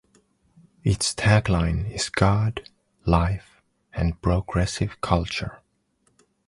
Its tagline is God, life, and progressive culture.